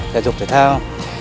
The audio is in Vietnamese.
thể dục thể thao